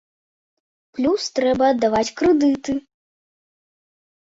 Плюс трэба аддаваць крэдыты.